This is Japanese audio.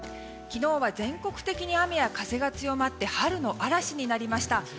昨日は全国的に雨や風が強まって春の荒らしになりました。